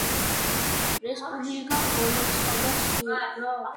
რესპუბლიკამ გამოაცხადა სუვერენიტეტი, რასაც წინ აღუდგა სერბი მოსახლეობა.